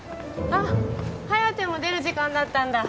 あ颯も出る時間だったんだ？